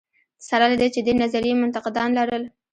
سره له دې چې دې نظریې منتقدان لرل.